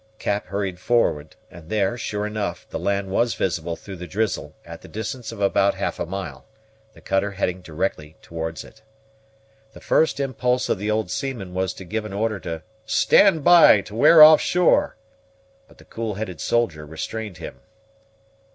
Cap hurried forward; and there, sure enough, the land was visible through the drizzle, at the distance of about half a mile, the cutter heading directly towards it. The first impulse of the old seaman was to give an order to "stand by, to ware off shore;" but the cool headed soldier restrained him.